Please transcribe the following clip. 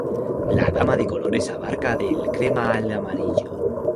La gama de colores abarca del crema al amarillo.